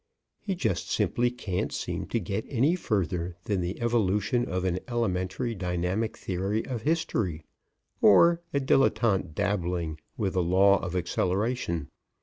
He just simply can't seem to get any further than the evolution of an elementary Dynamic Theory of History or a dilettante dabbling with a Law of Acceleration.